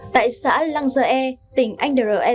tại xã langsere tỉnh anderlecht